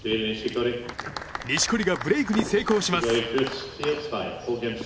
錦織がブレークに成功します。